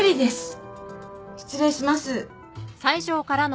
失礼します。